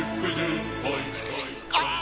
ああ！